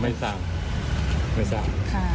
หนังเสีย